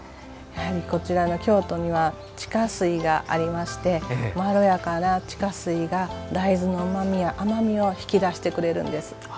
やはりこちらの京都には地下水がありましてまろやかな地下水が大豆のうまみや甘みを引き出してくれるんです。